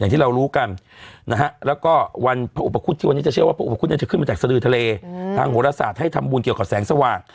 ที่เรารู้กันนะฮะแล้วก็วันพระอุปคุฎที่วันนี้จะเชื่อว่าพระอุปคุธจะขึ้นมาจากสดือทะเลทางโหรศาสตร์ให้ทำบุญเกี่ยวกับแสงสว่าง